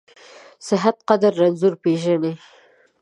د صحت قدر رنځور پېژني.